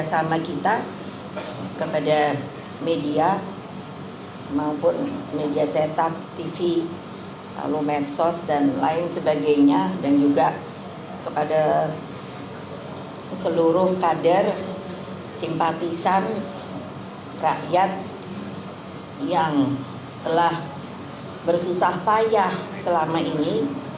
bersama kita kepada media maupun media cetak tv lalu medsos dan lain sebagainya dan juga kepada seluruh kader simpatisan rakyat yang telah bersusah payah selama ini